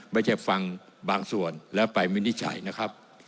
ไม่ใช่ฟังบางส่วนและไปวินิจฉัยนะครับ